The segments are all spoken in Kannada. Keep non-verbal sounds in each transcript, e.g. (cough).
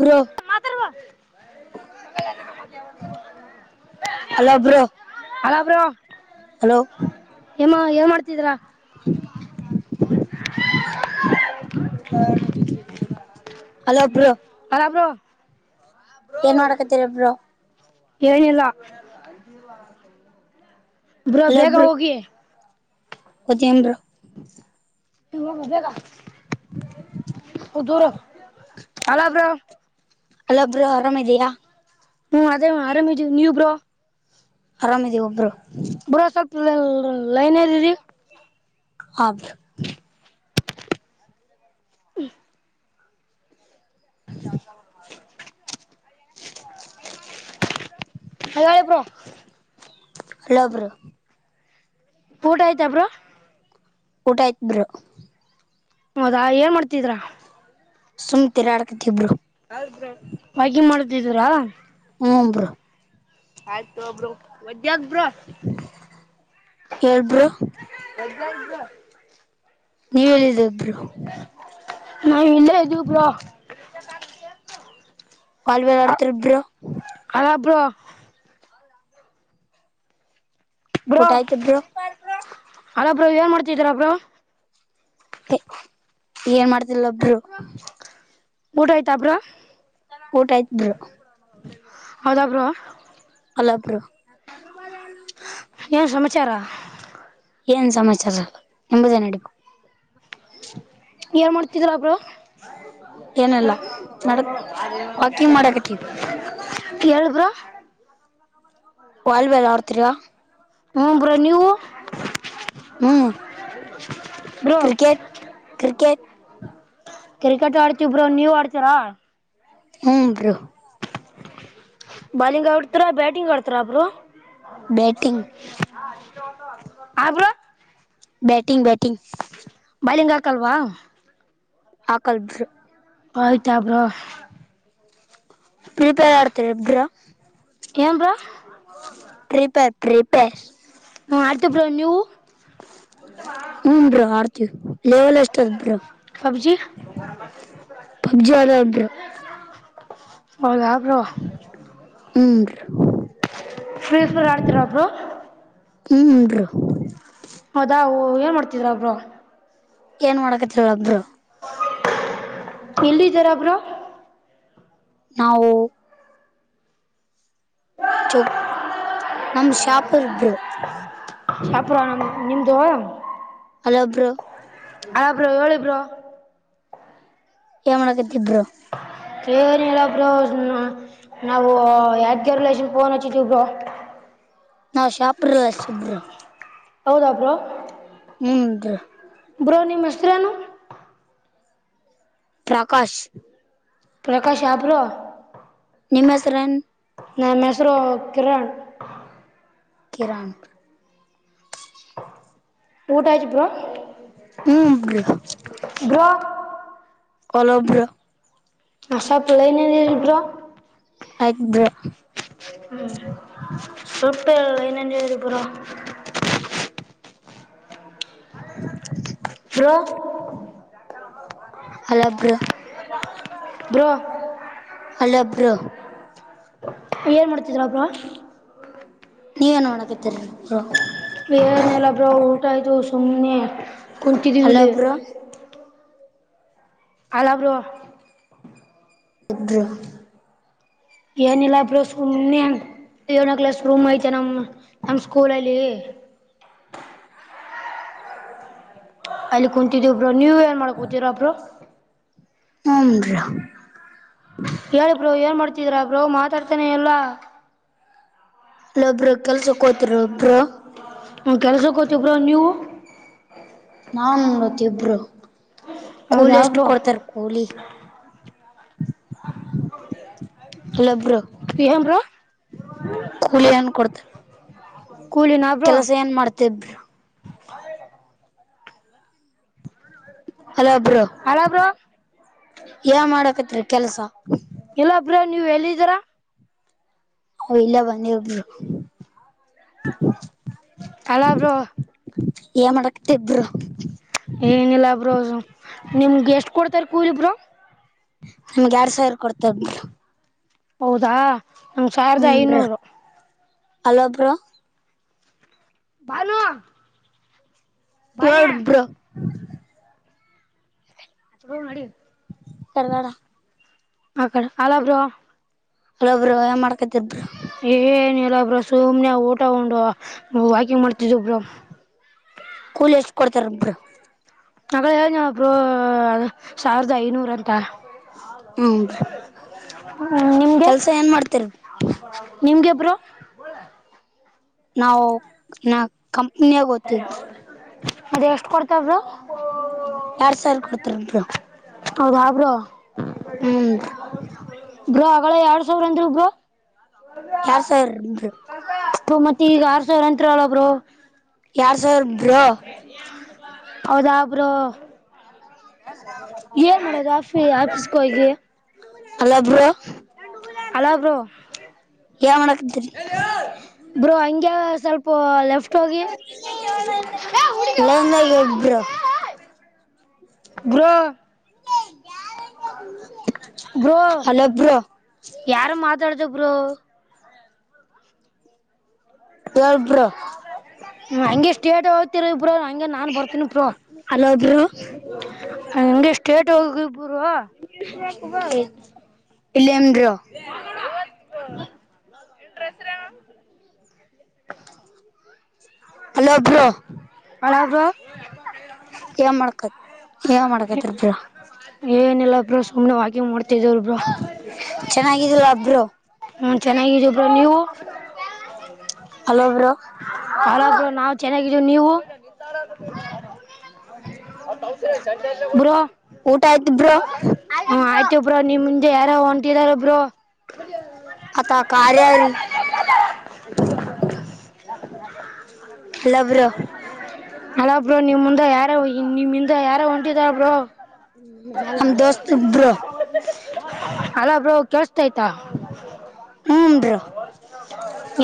ಬ್ರೋ ಮಾತರ್ವಾ (unintelligible) ಹಲೋ ಬ್ರೋ....... ಅಲ್ಲ ಹಲೋ ಏಮಾವ ಎನ್ ಮಾಡ್ತಿದ್ರಾ (unintelligible) ಹಲೋ ಬ್ರೋ.... (unintelligible) ಹಲೊ ಬ್ರೋ ಏನ್ ಮಾಡ್ಕತಿರಿ ಬ್ರೋ ಏನಿಲ್ಲ (unintelligible) ಬ್ರೋ ಬೇಗ ಹೋಗಿ ಮತ್ತೇನ ಬ್ರೋ.. ಯೇ ಹೋಗ ಬೇಗಾ... ಉದುರ ಅಲ್ಲ ಬ್ರೋ (unintelligible) ಹಲೋ ಬ್ರೋ ಆರಾಮಿದೀಯಾ ಹ್ಮ್ ಅದೇ ಆರಾಮ ಇದಿವಿ ನೀವ ಬ್ರೋ ಆರಾಮಿದಿವಿ ಬ್ರೋ. ಬ್ರೋ ಸ್ವಲ್ಪ ಲೈನ್..... ಯೇರರಿ (unintelligible) ಆಫ್ (unintelligible) ಹ್ಮ (unintelligible) ಅ (unintelligible) ಹಲೋ ಹೇಳಿ ಬ್ರೋ.. ಹೇಳೋ ಬ್ರೋ. ಊಟ ಆಯತಾ ಬ್ರೋ ಊಟ ಆಯ್ತಾ ಬ್ರೋ. ಹೌದಾ ಏನ್ ಮಾಡ್ತಿದ್ರಾ. ಸುಮ್ತಿರಾಡ್ಕತಿ ಬ್ರೋ. ವಾಕಿಂಗ್ ಮಾಡತಿದೀರಾ. ಹ್ಮ ಬ್ರೋ. ಆಯ್ತ ಬ್ರೋ ಮತ್ತೆ ಯಾಕ ಬ್ರೋ. ಹೇಲ್ ಬ್ರೋ. (unintelligible) ನೀವು ಯಲ್ಲ ಇದ್ರ ಬ್ರೋ ನಾವು ಇಲ್ಲ ಇದವೇ ಬ್ರೋ. ಹಾಲ್ (unintelligible) ಬ ಆಡ್ತಾರ್ ಇಬ್ರು ಅಲ ಬ್ರೋ ಬ್ರೋ ಊಟ ಆಯ್ತ ಬ್ರೋ ಹಲೋ ಬ್ರೋ ಏನ್ ಮಾಡ್ತಿದ್ದೀರಾ ಬ್ರೋ ಏನ್ ಮಾಡ್ತಿಲ್ಲ ಒಬ್ರು ಊಟ ಆಯ್ತಾಬ್ರ ಊಟ ಆತ್ ಹೌದಬ್ರು ಅಲ್ಲಪ್ರ ಏನ್ ಸಮಾಚಾರ ಏನ್ ಸಮಾಚಾರ ಎಂಬುದೇ ನಡಿಪ ಯಏಾರ್ ಮಾಡ್ತಿದ್ರಬ್ರು ಏನಿಲ್ಲ ನಡ ಅವ ಬ ವಾಕಿಂಗ್ ಮಾಡಕತ್ತೀವಿ ಕಳ್ ಗ್ರ ವಾಲ್ವೆ ಎ ಆರ್ತಾ ಹಞಂಬರುನ್ಯವು ಹ್ಮ್ ಬ್ರೋ ಕ್ರಿಕೆಟ್ ಕ್ರಿಕೆಟ್ ಕ್ರಿಕೆಟ್ ಆಡ್ತಿಬ್ರು ನೀವ್ ಆಡ್ತರಾ ಹೂಞ ಬ್ರೊ ಬಾಲಿಂಗ್ ಆಡ್ತಾರ ಬ್ಯಾಟಿಂಗ್ ಆಡ್ತಾರ ಒಬ್ರು ಬ್ಯಾಟಿಂಗ್ ಹಗರ ಬ್ಯಾಟಿಂಗ್ ಬ್ಯಾಟಿಂಗ್ ಬಲಿಂಗಾಕಲ್ವಾ ಆಕಲ್ಬ್ರ ಆಯ್ತಾ ಬ್ರ ಪರಿಪೇರ ಆಡ್ತಾರೆ ಎಬ್ಬರಾ ಕಮ್ರ ರಿಪ ತ್ರಿಪೆ ಮಾಡ್ತಬ್ರ ನೀವು ಹನ್ೂ ಆಡ್ತೀವಿ ಲೆವಲ್ ಅಷ್ಟು ದ್ರ ಪಬ್ಜಿ ಪಬ್ಜಿ ಆದ್ರ ೌ ಯಾಬ್್ರ ಹಂದು ಫ್ರೀ ಸ್ಫರ್ ಆಡ್ತಿರ ಒಬ್ರು ಇಂದು ಹೌದಾ ಏನ್ ಮಾಡ್ತಿದ್ರಾ ಒಬ್ರು ಏನ್ ಮಾಡಕತ್ಲ್ಲದರು ಎಲ್ಲಿದ್ದಾರಬ್ರು ನಾವು ಚ ನಮ ಶಾಪರ್ಬ್ರು ಶಾಪುರ ನ ನಿಮ್ದ ಅಲ್ಲಬ್್ರ ಆಬ್ರ ಹೇಳಿ ಬ್ರೋ ಏ ಮಾಡಕತಿದ್ರು ಸನಲ್ಲ ಬರ ನಾವು ಯರ್ಕರ್ ಲೇಷನ್ಫನ್ಚ್ಚಿದ್ದ ಬರ ನಾವು ಶಾಪ್ರಲ್ ಶಿಬರು ಹೌದಾ ಬ್ರೋ ಹ್ಮ್ ಡ್ರ ಬ್ರೋ ನಿಮ್ಮ ಹೆಸರೇನು ಪ್ರಕಾಶ್ ಪ್ರಕಾಶ್ ಆ ಬ್ರೋ ನಿಮ್ಮ ಹೆಸರನ್ ನನ್ ಹೆಸರು ಕಿರಣ್ ಕಿರಾಣ ಊಟ ಆಯ್ತ ಬ್ರೋ ಹ್ಮ್ ಬ್ರೋ ಬ್ರೋ ಒಲ ಬ್ರೋ ಹಸ ಪಳೈನ ಇಲ್ಬ ಬ್ರೋ ಆಯ್ತು ಬ್ರೋ ಹ್ಮ್ ಸುಟ್ಟ ಇನ್ನೇನ್ ಹೇಳಿ ಬ್ರೋ (inaudible) ಬ್ರೋ ಅಲೋ ಬ್ರೋ ಬ್ರೊಂ ಅಲೋ ಬ್ರೋ ಏನ್ ಮಾಡ್ತಿದಿರಾ ಬ್ರೋ ನೀವೇನ್ ಮಾಡಾಕತ್ತೀರಿ ಬ್ರೋ ಏನಿಲ್ಲ ಬ್ರೋ ಊಟ ಆಯ್ತು ಸುಮ್ಮನೆ ಕುಂತಿದ್ದೀವಿಲ್ಲಿ. ಹ ಅಲ ಬ್ರೋ (unintelligible) ಏನಿಲ್ಲ ಬ್ರೋ ಸುಮನೇ ಏಳನೇ ಕ್ಲಾಸ್ ರೂಮ್ ಐತೆ ನಮ್ಮ ನಮ್ಮ ಸ್ಕೂಲಲ್ಲಿ ಅಲ್ಲಿ ಕುಂತಿದ್ದೀವಿ ಬ್ರೋ ನೀವ ಏನ್ ಮಾಡಕ್ ಕುಂತಿರ ಬ್ರೋ ಹುನ್ ರೀ ಹೇಳಿ ಬ್ರೋ ಏನು ಮಾಡ್ತಿದೀರಾ ಬ್ರೋ ಮಾತಾಡ್ತಾನೆ ಎಲ್ಲ ಇಲ್ಲೊಬ್ರು ಕೆಲಸಕ್ಕೆೋತಿರ ಒಬ್ರು ಕೆಲಸಕ್ಕೆೋತಿವ ಬ್ರೋ ನೀವು ನಾನ್ ನೋಡತಿ ಇಬ್ರು ಕೂಲಿ ಹೌದಾ ಎಷ್ಟು ಬ್ರೋ ಕೊಡ್ತಾರ ಹುಲಿ ಹಲೋ ಬ್ರೋ ಏನು ಬ್ರೋ ಕೂಲಿ ಏನ್ ಕೊಡ್ತರ ಕೂಲಿನಾ ಬ್ರೋ ಕೆಲಸ ಏನ್ ಮಾಡ್ತಿದ್ದಿ ಹಲೋ ಬ್ರೋ ಹಳೋ ಬ್ರೋ ಎ ಮಾಡಕತ್ರಿ ಕೆಲ್ಸ ಇಲ್ಲ ಬ್ರೋ ನೀವ್ ಎಲ್ಲಿದ್ದೀರಾ ಇಲ್ಲೇ ಬಂದಿವ ಬ್ರೋ ಹಲೋ ಬ್ರೋ ಏನ್ ಮಾಡಾಕತ್ತೀ ಬ್ರೋ ಏನಿಲ್ಲ ಬ್ರೋ ನಿಮ್ಗೆ ಎಷ್ಟ್ ಕೊಡ್ತಾರೆ ಕೂಲಿ ಬ್ರೋ ನಮ್ಗೆ ಎರಡ್ ಸಾವಿರ ಕೊಡ್ತದರು ಹೌದಾ ನಂಗ್ ಸಾವಿರದ ಹ್ಮಾ ಐನೂರು ಅಲೋಬ್ರ ಭಲ ಎಡ್ಬ್ರ ಅ ಹೋ ನಡ ಕವಾಳ ಅಕಡ ಅಲ ಬ್ರೋ ಅಲ್ಲಬ್ರು ಮಾಡ್ಕತಿದ್ರ ಏನಿಲ್ಲ ಬ್ರ ಸುಮ್ನೆ ಊಟಗೊಂಡು ವಾಕಿಂಗ್ ಮಾಡ್ತಿದ್ದ ಬ್ರ ಕೂಲ್ ಎಷ್ಟ್ ಕೊಡ್ತಾರೊಬ್ಬರು ಮಳ ಹೇಳಬ್್ರ ಸಾವಿರದ ಐನೂರ ಅಂತ ಹ್ಮ್ ಬ್ರೋ ನಿಮಗೆ ಕೆಲ್ಸ ಏನ್ ಮಾಡ್ತಿರಿ ನಿಮ್ಗೆಬರು ನಾವು ಕಂಪ್ನಿಯಾಗ ಓದ್ತಿದ್ ಅದ ಎಷ್ಟು ಕೊಡ್ತಾವರು ಎರಡ್ ಸಾವಿರ ಕೊಡ್ತಾರ ಬ್ರೋ ಹೌ ಹಾಪ್ರ ಹ್ಮ್ ಗ್ರ ಅಗಳ ಎರಡ್ ಸಾವಿರ ಅಂದರು ಗ್ರ ಎರಡ್ ಸಾವಿರದ ಎಂಟ ಮತ್ತೆ ಈಗ ಆರ್ ಸಾವಿರ ಅಂತ್ರ ಅಲ್ಲಬ್ರು ಯಾರು ಸರ್ ಬ್ರ ಹೌದಬ್ರು ಹ ಏನ್ ಮಾಡೋದು ಆಫಿ ಆಫೀಸ್ಕಗೆ ಅಲ್ಲಬಾ ಹಲೋ ಬ್ರೋ ಏನ್ ಮಾಡಕತ್ತೀರಿ ಬ್ರೋ ಹಂಗೆ ಸ್ವಲ್ಪ ಲೆಫ್ಟ್ ಹೋಗಿ ಲಂಗ ಒಬ್ಬರು (unintelligible) ಬ್ರೊ ಬ್ರೊ ಹಲೋ ಬ್ರೋ ಯಾರು ಮಾತಾಡ್ದಬ್ರು ಹೆಲ್ ಬ್ರೊ ಹಂಗೆ ಸ್ಟೇಟ್ ಹೋಗ್ತಿರ ಇಬ್ರ ಹಂಗಗೆ ನಾನ್ ಬರ್ತನಿ ಬ್ರೊ ಹಲೋ ಬ್ರೋ ನಂಗೆ ಸ್ಟೇಟ್ ಹೋಗಿ ಬ್ರೊ ಇಲಿಮ್ ಬ್ರೊ ಹ್ಮ (unintelligible) ರಸರಾಮ (unintelligible) ಅಲ್ಲಭ್ರೋ ಅಳಾ ಬ್ರೊ ಎ ಮಳಕತ್ (unintelligible) ಏನ ಇಲ್ಲ ಅ್ರ ಸುಮ್ನೆ ವಾಕಿಂಗ್ ಮಾಡ್ತಿಧೆ ಬ್ರ ಚೆನ್ನಾಗಿದಿಲ್ಲ ಬ್ರೋ ಹ್ಮ ಚೆನ್ನಾಗಿದೋಬ್ರ ನೀವು (unintelligible) ಹಲೋ ಬ್ರೊ ಹಲೋ ಬ್ರೊ ನಾವು ಚೆನ್ನಾಗಿದ್ದವು ನೀವು ಹ (unintelligible) ಬ ಬ್ರೋ ಹ ಆಯ್ತು (unintelligible) ಒಬ್ರು ನಿಮ್ ಮುಂದೆ ಯಾರೋ ಹೊಂಟೀಧಾರೆ ಬ್ರೊ ಅತ್ತಾ ಕಾರಾರಾರಿ (unintelligible) ಹಲೋ ಬ್ರೊ ಅಲ ಬ್ರೋ ನಿಮ ಮುಿಂದ ಯಾರೋ ನಿಮ್ಮಿಂದ ಯಾರೋ ಹೊಂಟಿದಾರ ಬ್ರೋ (unintelligible) ನಮ್ ದೋಸ್ತು ಬ್ರೋ ಅಲ ಬ್ರೋ ಕೇಳ್ಸ್ತಾ ಐತಾ ಹ್ಮ ಬ್ರೊ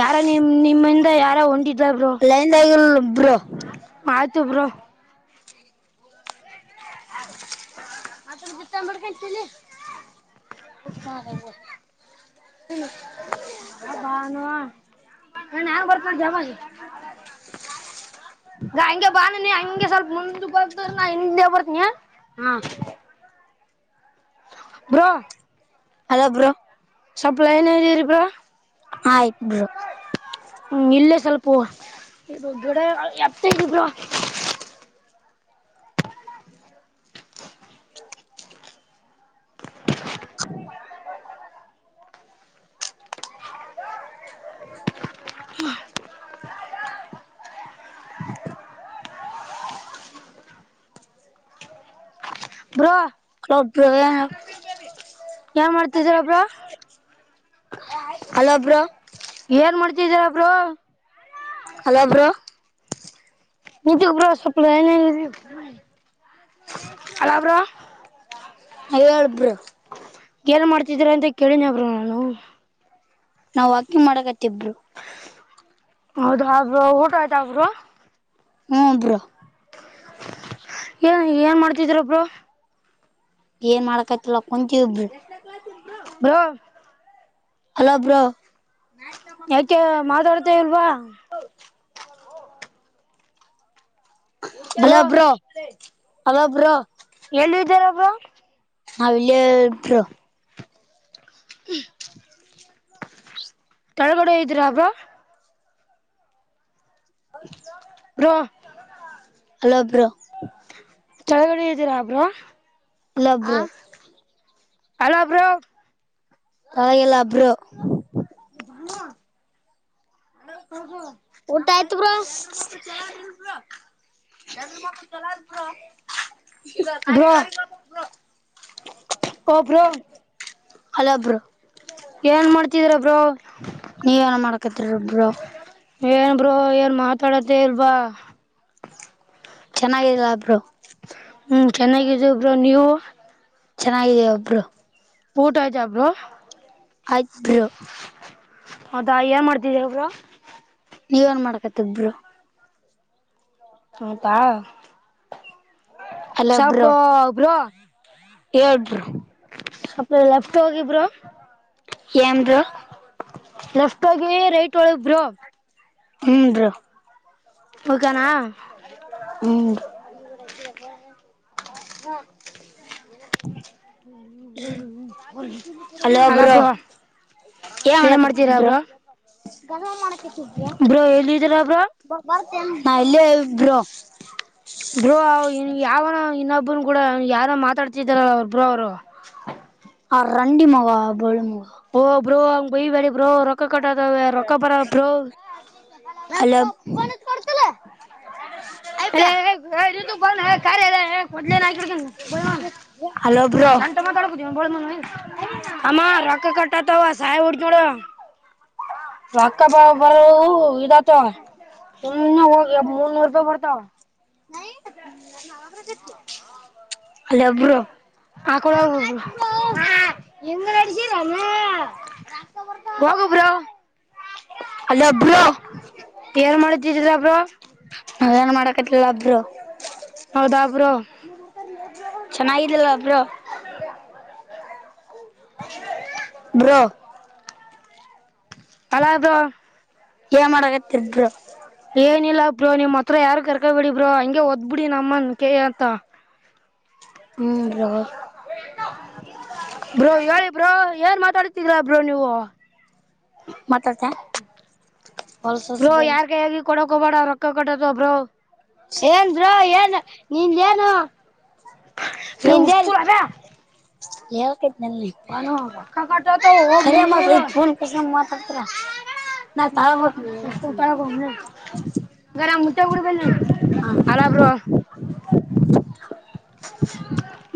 ಯಾರ ನಿಮ ನಿಮ್ಮಿಂದ ಯಾರ ಹೋಂಡಿದ ಬ್ರು ಲೈಂದ ಆಗಲ್ ಬ್ರು ಆಯಿತು ಬ್ರೋ ಹ ಮತ್ತ ಹತ್ತಂಬಡ್ಕತೀನ ತಲಿ ಹಾ ಹೋಗುನ್ ಹ ಹ ಬಾನುವ ನಣ ಯಂಗ ಬರ್ತನೆ ಹೆವಾಗ ನ ಹಗೆ ಬಾನಿ ಹಗೆ ಸ್ವಲ್ಪ ಮುಂದೆ ಬಂದ್ರೆ ನಾ ಹಿಂದೆ ಬರ್ತಿನಿ ಹ್ಮ್ ಬ್ರೊ ಹಲೋ ಬ್ರೋ ಸಪ ಲೈನ್ನಯಾಗ್ ಇರಿ ಬ್ರೋ ಆಯ್ತ್ರು ಬ್ರೋ ಹ್ಮ್ ಇಲ್ಲೇ ಸ್ವಲ್ಪ ಗಡ ಎತ್ತ ಹಿಡಿ ಬ್ರೋ (inaudible) (inaudible) (unintelligible) ಹ (unintelligible) ಬ್ರೊ (unintelligible) ಏನ್ ಮಾಡ್ತಿದೀರ ಬ್ರೋ ಹಲೋ ಬ್ರೋ ಏನ್ ಮಾಡ್ತಿದೀರಾಬ್ರು ಹಲೋ ಬ್ರೋ ನೀ ಬ್ರೋ ಸೊಪ್ಲೈನ ಹಲ ಬ್ರೋ ಹಲೋ ಹೇಳು ಬ್ರೋ ಏನ್ ಮಾಡ್ತಿದ್ರ ಅಂತ ಕೇಳಿನಬ್ರು ನಾನು ನಾವವು ವಾಕಿಂಗ್ ಮಾಡಕತ್ತತಿಬ್ರು ಹೌದು ಹೌದು ಬ್ರೋ ಊಟ ಆಯ್ತಾ ಬ್ರೋ ಹ್ಮ್ ಬ್ರೋ ಏನ್ ಏನ್ ಮಾಡ್ತಿರ ಬ್ರೋ ಏನ್ ಮಾಡಕತಿಲ್ಲ ಕುಂತಿದ್ವಿ ಹ್ಮ್ ಹಲೋ ಬ್ರೋ ಯಾಕೆ ಮಾಡೋರದೆ ಇಲ್ವಾ ಬ್ರೋ ಹಲೋಬ್ರೋ ಹಲೋ ಬ್ರೋ ಎಲ್ಲಿದ್ದೀರಾ ಬ್ರೋ ಅಲ್ಲಿ ಬ್ರೋ (unintelligible) ತಳಗಡೆ ಇದ್ದರಾಬ್್ರಾ ಹದು ರೋ ಅಲೊಬ್್ರ ಚಳಗಡೆ ಇದ್ದೀರಾ ಅಬ್್ರ ಲು ಅಲ್ಲ ಬರ ತಳಗೆಲ್ಲ ಅಬ್ರೋ ಬಾಣುವ ಅ ಕೊಳ್ುವ ಊಟ ಆಯ್ತು ಬ್ರ ಈಗ ಕಾರ ಬ್ರೋ ಓ ಬ್ರೋ ಹಲಬ್ರು ಏನ್ ಮಾಡ್ತಿದ್ರ ಬ್ರೋ ನೀವ ಏನ ಮಾಡ್ಕತ್ರಿ ರೊಬ್ರು ಏನ್ಬರು ಏನ್ ಮಾತಾಡತ್ತೇ ಇಲ್ವಾ ಚೆನ್ನಾಗಿಲ್ಲ ಒಬ್ರು ಹ್ಮ್ ಚೆನ್ನಾಗಿದ ಬ್್ರ ನೀವು ಚೆನ್ನಾಗಿದೆ ಒಬ್ರು ಊಟ ಆಜಬ್ರು ಅಬ್ರೋ ಹೌದಾ ಏನ್ ಮಾಡ್ದಿದ ಒಬ್ರ ನೀವೇನ್ ಮಾಡ್ಕತಿದರು ಹೌದಾ ಸಪ ಬ್ರೋ ಎಏಳ್ರು ಅ ಲೆಫ್ಟ್ ಹೋಗಬರು ಎ್ದ ರಷ್ಟೋಗಿ ರೈಟ್ ಒಳಬ್ರು ಹ್ಞ ರ ಓಕನಾ ಹ್ಮ ಹಾ ಹ್ಮ ನಲ್ಲ ಬರ ೇ ಮಾಡಕಟ್ಟಿದರು ಗಮ ಮಾಡಕ ಇಟ್ಟಿದರು ಬ್ರೋ ಎಲ್ಲಿದ್ದೀರಾ ಬ್ರೋ ನ ಬ್ರ ಬ್ರೋ ಯಾವನೋ ಇನ್ನೊಬ್ಬ್ರ ಕೂಡ ಯಾರೋ ಮಾತಾಡ್ತಿದಾರಲ್ಲ ಅವ್ರು ಬ್ರೋ ಅವರು ಆ ರಂಡ ಮುಗ ಬಳು ಮುಗುವ ಓ ಬ್ರೋ ಹಂಗ ಬಯಿ ಬರಿ ಬ್ರೋ ರೊಕ್ಕ ಕಟ್ಟತವ ರೊಕ್ಕ ಬರ ಬ್ರೋ ಅಲ ಅು ಬ ಕ ಎಲ್ಲ ಬ ನಕ ಬ ಹಲೋ ಹ ಬ್ರೋ ಶಂತ ಮದಡ ಆಮ್ಮ ರಕ ಕಟ್ಟ ತ ಸಹ ಉಡಿ ಚಳ ವಕ ರೊಕ್ಕ ಬ ಬರ ಬರವು ಇ್ದತ ಇದಾತವ ಇನ್ನ ಹೋಗಿ ಮುೂರು ರೂಪಾಯಿ ಬರ್ತಾವ ಹಲೋ ಆಕುಳ ಬ್ರೋ ಬಿಳು ಆಕುಳ್ ಹೆಂಗ್ ನಡ್ಸರಲ್ಲ ಹೋಗು ಬ್ರೋ ಹಲೋ ಬ್ರೋ ಏನ ಮಾಡುತಿದಿಯ ಬ್ರೋ ಅಏನ್ ಮಾಡಕತ್ಲಿಲ್ಲ ಅಬ್ರು ಹೌದಾ ಬ್ರೋ ಚೆನ್ನಾಗಿದ್ದಲ್ಲ ಬ್ರೋ ಬ್ರೋ ಅಲ ಬ್ರೋ ಏ ಮಾಡಗತ್ತಿರ ಬ್ರೋ ಏನಿಲ್ಲ ಬ್ರೋ ನಿಮ್ ಹತ್ರ ಯಾರು ಕರ್ಕಬೇಡಿ ಬ್ರೋ ಹಂಗೆ ಓದ್ಬಿಡಿ ನಮ್ಮನ್ ಕ ಅಂತ ಹ್ಮ್ ಬ್ರೋ ಬ್ರೋ ಹೇಳಿ ಬ್ರೋ ಏನ್ ಮಾತಾಡ್ತಿದ್ರಾ ಬ್ರೋ ನೀವು ಮಾತಾಆಡ್ತಾ ಬ್ರೋ ಯಾರ್ ಕೈ ಆಗಿ ಕೊಡಕ ಹಬೇಡ ರೊಕ್ಕ ಕಟ್ಟತ ಬ್ರೋ ಏನ್ರು ಏನ್ ನಿನ್ ಏನು ನಿಂದಾ ಏನ ಹೇಳ ಹೇಳ್ ವನು ರೊಕ್ಕಾ ಕಟ್ ಆಟವ ಕರೆ (unintelligible) ಮಾತ ಫೋನ್ ಕಸ ಮಾತಾಡ್ತಾರ ನಾ ತಳಗೋ ತಳಗ ಗರಾಮ್ ಮುಟ್ಟೆ ಬಿಡಬ ಹಾ ಅಲ ಬ್ರೋ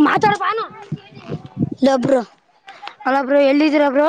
ಮಾತಾಡು ಬಾನೋ ಇಲ್ಲಾ ಬ್ರೋ ಹಲೊಬ್ರೋ ಎಲ್ಲಿದೀರಬ್ರೋ